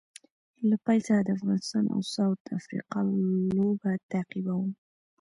له پیل څخه د افغانستان او ساوت افریقا لوبه تعقیبوم